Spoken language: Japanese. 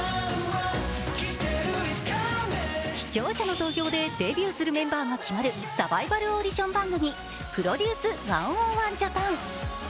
視聴者の投票でデビューするメンバーが決まるサバイバルオーディション番組「ＰＲＯＤＵＣＥ１０１ＪＡＰＡＮ」。